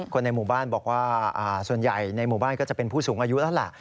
คนในหมู่บ้านบอกว่าส่วนใหญ่ในหมู่บ้านก็จะเป็นผู้สูงอายุแล้วล่ะ